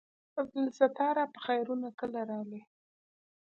عبدالستاره په خيرونه کله رالې.